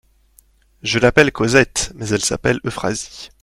Je l'appelle Cosette, mais elle s'appelle Euphrasie.